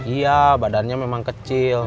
iya badannya memang kecil